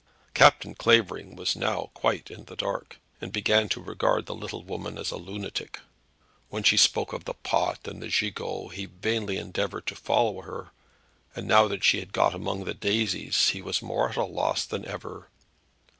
Captain Clavering was now quite in the dark, and began to regard the little woman as a lunatic. When she spoke of the pot and the gigot he vainly endeavoured to follow her; and now that she had got among the daisies he was more at a loss than ever.